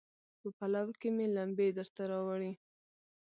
په پلو کې مې لمبې درته راوړي